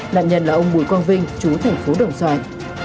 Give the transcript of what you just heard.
nạn nhân là ông bùi quang vinh chú tp đồng xoài